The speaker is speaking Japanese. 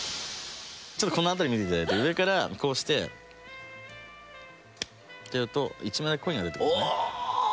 この辺り見ていただいて上からこうして。ってやると１枚のコインが出てくるんです。